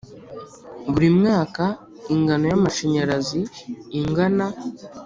buri mwaka ingano y’amashanyarazi ingana